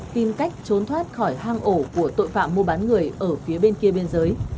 tìm cách trốn thoát khỏi hang ổ của tội phạm mua bán người ở phía bên kia biên giới